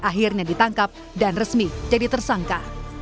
akhirnya ditangkap dan resmi jadi tersangka